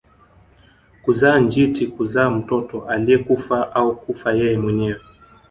Kuzaa njiti kuzaa mtoto aliyekufa au kufa yeye mwenyewe